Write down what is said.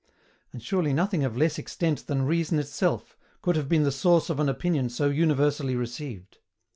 And surely nothing of less extent than reason itself could have been the source of an opinion so universally received.